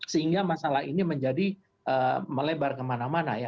sehingga masalah ini menjadi melebar kemana mana ya